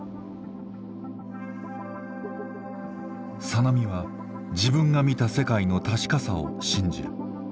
小波は自分が見た世界の確かさを信じる。